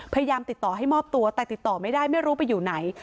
พยายามติดต่อให้มอบตัวแต่ติดต่อไม่ได้ไม่รู้ไปอยู่ไหน